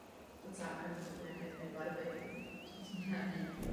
Po závodu oznámil záměr ukončit na konci sezóny kariéru a věnovat se více rodině.